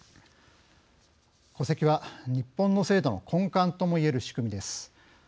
戸籍は日本の制度の根幹とも言える仕組みです。